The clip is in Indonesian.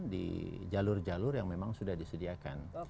di jalur jalur yang memang sudah disediakan